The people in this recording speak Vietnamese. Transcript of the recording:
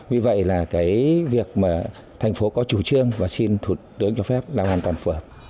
vì vậy là cái việc mà thành phố có chủ trương và xin thủ tướng cho phép là hoàn toàn phở